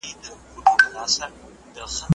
هغه بوره چې راغلې وه ژر خرڅه شوه.